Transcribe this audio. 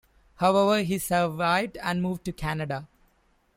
However, he survived and moved to Canada.